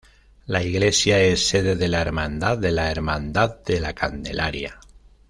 La iglesia es sede de la hermandad de la Hermandad de la Candelaria